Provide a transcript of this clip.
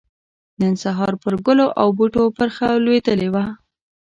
نن سحار پر ګلو او بوټو پرخه لوېدلې وه